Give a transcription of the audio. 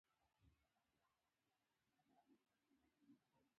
نو هر پدر خطا د چارو سمبالوونکی او مدیر شو.